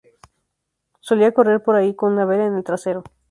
Solía correr por ahí con una vela en el trasero.